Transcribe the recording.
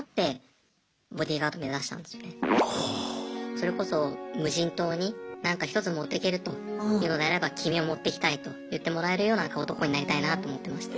それこそ無人島になんか１つ持っていけるというのであれば君を持っていきたいと言ってもらえるような男になりたいなと思ってました。